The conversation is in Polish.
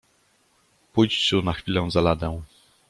"Pójdź tu na chwilę za ladę!"